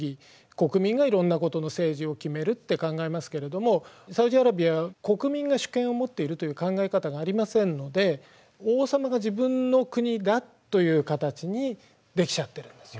国民がいろんなことの政治を決めるって考えますけれどもサウジアラビアは国民が主権を持っているという考え方がありませんので王様が自分の国だという形にできちゃってるんですよ。